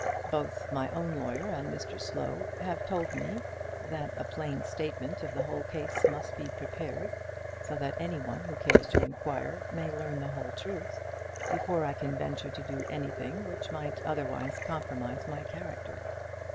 Both my own lawyer, and Mr Slow, have told me that a plain statement of the whole case must be prepared, so that any one who cares to inquire may learn the whole truth, before I can venture to do anything which might otherwise compromise my character.